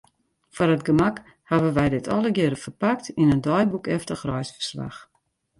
Foar it gemak hawwe wy dit allegearre ferpakt yn in deiboekeftich reisferslach.